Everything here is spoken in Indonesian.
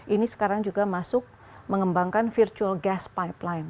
ini sekarang juga masuk mengembangkan virtual gas pipeline